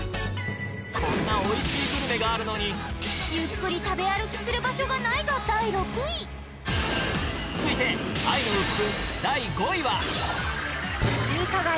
こんなおいしいグルメがあるのにゆっくり食べ歩きする場所がない！が第６位続いてえっ？えっ？